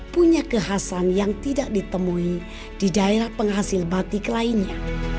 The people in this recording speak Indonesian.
punya kekhasan yang tidak ditemui di daerah penghasil batik lainnya